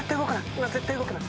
今絶対動くな。